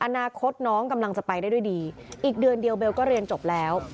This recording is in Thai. อนาคตน้องกำลังจะไปได้ด้วยดีอีกเดือนเดียวเบลก็เรียนจบแล้ว